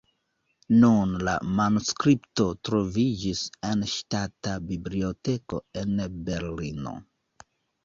Nun la manuskripto troviĝis en Ŝtata Biblioteko en Berlino.